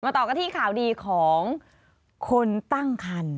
ต่อกันที่ข่าวดีของคนตั้งคัน